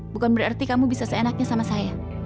bukan berarti kamu bisa seenaknya sama saya